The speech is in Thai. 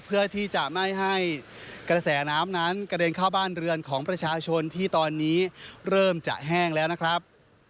เพื่อที่จะไม่ให้กระแสน้ำนั้นกระเด็นเข้าบ้านเรือนของประชาชนที่ตอนนี้เริ่มจะแห้งแล้วนะครับ